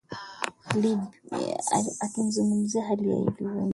akizungumzia hali ilivyo nchini libya